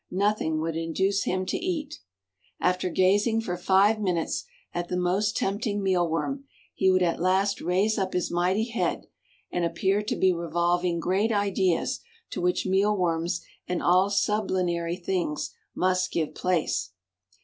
nothing would induce him to eat. After gazing for five minutes at the most tempting mealworm, he would at last raise up his mighty head and appear to be revolving great ideas to which mealworms and all sublunary things must give place.